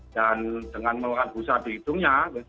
dan dengan meluakan pusat di hidungnya